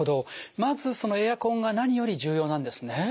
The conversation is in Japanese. まずそのエアコンが何より重要なんですね。